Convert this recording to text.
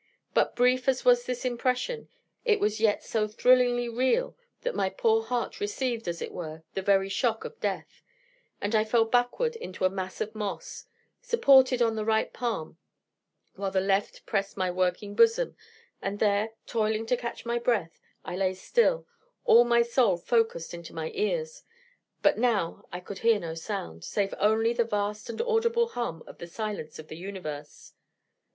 But brief as was this impression, it was yet so thrillingly real, that my poor heart received, as it were, the very shock of death, and I fell backward into a mass of moss, supported on the right palm, while the left pressed my working bosom; and there, toiling to catch my breath, I lay still, all my soul focussed into my ears. But now I could hear no sound, save only the vast and audible hum of the silence of the universe.